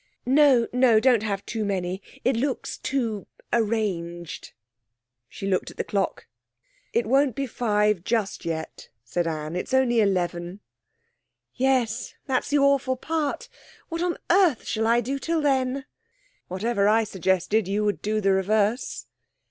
'No, no; don't have too many. It looks too arranged.' She looked at the clock. 'It won't be five just yet,' said Anne. 'It's only eleven.' 'Yes; that's the awful part. What on earth shall I do till then?' 'Whatever I suggested you would do the reverse.'